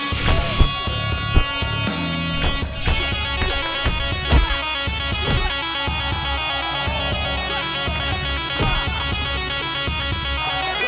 bang harus kuat bang